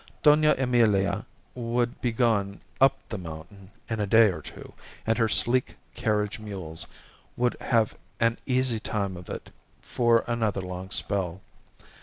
Dona Emilia would be gone "up to the mountain" in a day or two, and her sleek carriage mules would have an easy time of it for another long spell.